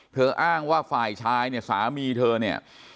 อ้างว่าฝ่ายชายเนี่ยสามีเธอเนี่ย